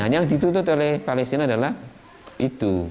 yang dituntut oleh palestina adalah itu